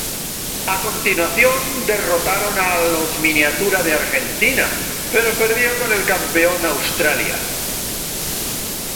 A continuación, derrotaron a los miniatura de Argentina, pero perdió con el campeón Australia.